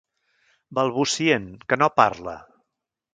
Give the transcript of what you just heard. Balbucient, que no parla.